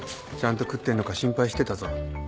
ちゃんと食ってんのか心配してたぞ。